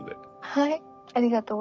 はい。